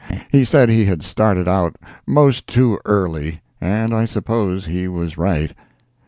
He said he had started out most too early, and I suppose he was right.